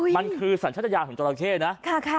มันคือสัญญะยามของจัระเข้นะ